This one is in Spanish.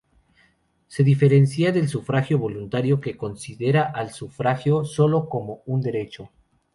Se diferencia del sufragio voluntario, que considera al sufragio solo como un derecho.